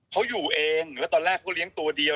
เขาอยู่เองแล้วตอนแรกเขาเลี้ยงตัวเดียว